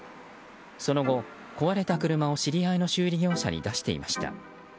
その後、壊れた車を知り合いの修理業者に出していました。